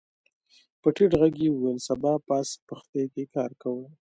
په ټيټ غږ يې وويل سبا پاس پښتې کې کار کوو.